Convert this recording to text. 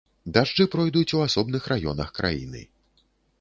Дажджы пройдуць у асобных раёнах краіны.